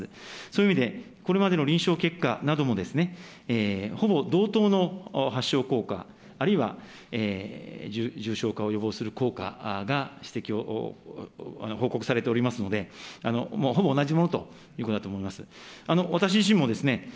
そういう意味で、これまでの臨床結果なども、ほぼ同等の発症効果、あるいは重症化を予防する効果が指摘を、報告されておりますので、ほぼ同じものということだと思います。